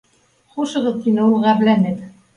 Хушығыҙ, — тине ул, ғәрләнеп